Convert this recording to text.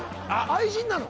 愛人なの？